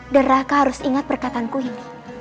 dan raka harus ingat perkataanku ini